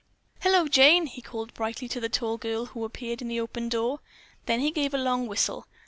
"Hello, Jane," he called brightly to the tall girl, who appeared in the open door. Then he gave a long whistle.